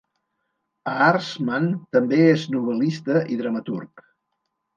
Aarsman també és novel·lista i dramaturg.